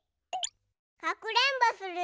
かくれんぼするよ。